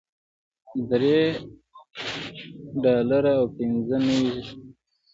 درې ډالره او پنځه نوي سنټه